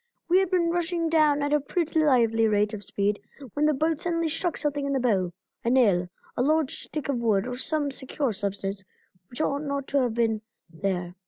We had been rushing down at a pretty lively rate of speed when the boat suddenly struck something in the bow, a nail, a lodged stick of wood or some secure substance which ought not to have been there.